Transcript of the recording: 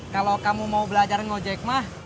kalo kamu mau belajar ngejek mah